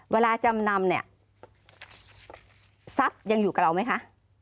เวลาจำนำเนี่ยทรัพย์ยังอยู่กับเราไหมคะ